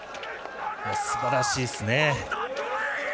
すばらしいですね。